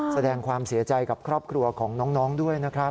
แสดงความเสียใจกับครอบครัวของน้องด้วยนะครับ